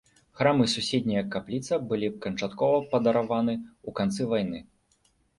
Храм і суседняя капліца былі канчаткова падарваны ў канцы вайны.